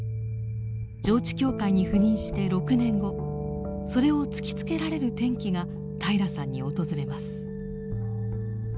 上地教会に赴任して６年後それを突きつけられる転機が平良さんに訪れます。